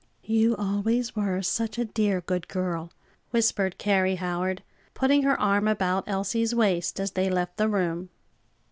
"You always were such a dear good girl," whispered Carrie Howard, putting her arm about Elsie's waist as they left the room.